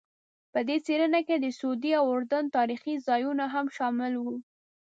په دې څېړنه کې د سعودي او اردن تاریخي ځایونه هم شامل وو.